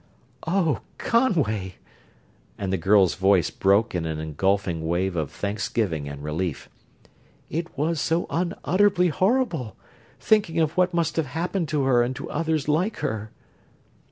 "Oh, Conway!" and the girl's voice broke in an engulfing wave of thanksgiving and relief. "It was so unutterably horrible, thinking of what must have happened to her and to others like her!"